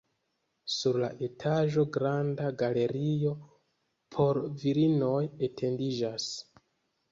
Sur la etaĝo granda galerio por virinoj etendiĝas.